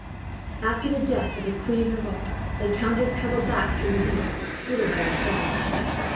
After the death of the Queen of Navarre the countess travelled back to Laville, escorted by her son and Philip.